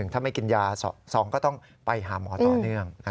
ถ้าไม่กินยาซองก็ต้องไปหาหมอต่อเนื่อง